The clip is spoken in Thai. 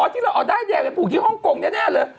อ๋อที่เราเอาได้แดงให้ผูกที่ฮ่องกงนี่แน่เหรอ